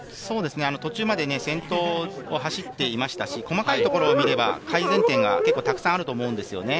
途中まで先頭を走っていましたし、細かいところを見れば、改善点が結構たくさんあると思うんですよね。